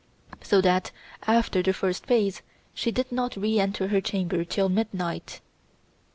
So that after the first phase she did not re enter her chamber till midnight.